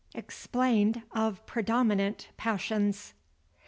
EXPLAINED OF PREDOMINANT PASSIONS.